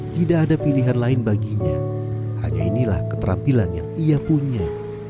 tidak ada pilihan lain baginya hanya inilah keterampilan yang ia punya